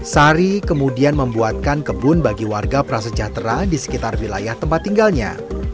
sari kemudian membuatkan kebun bagi warga prasejahtera di sekitar wilayah tempat tinggalnya